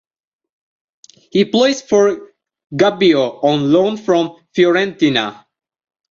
He plays for Gubbio on loan from Fiorentina.